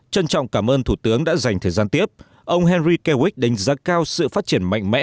trân trọng cảm ơn thủ tướng đã dành thời gian tiếp ông henry kewich đánh giá cao sự phát triển mạnh mẽ